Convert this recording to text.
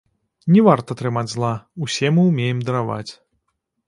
Не варта трымаць зла, усе мы ўмеем дараваць.